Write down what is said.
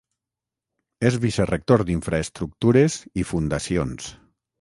És vicerector d’Infraestructures i Fundacions.